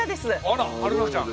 あら春菜ちゃん。